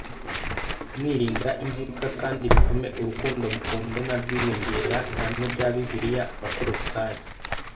mwirinda inzika kandi bitume urukundo mukundana rwiyongera Ihame rya Bibiliya Abakolosayi